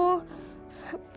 ya allah ibu